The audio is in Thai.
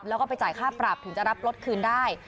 แล้วก็ไปจ่ายค่าปรับถึงจะรับรถคืนได้